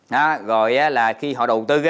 đó rồi là khi họ đầu tư